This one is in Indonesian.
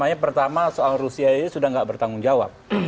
jadi gini pertama soal rusia ini sudah tidak bertanggung jawab